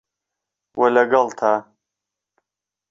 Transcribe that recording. وه لەگەڵ تا